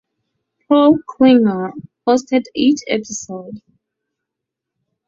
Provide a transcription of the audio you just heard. Paul Klinger hosted each episode.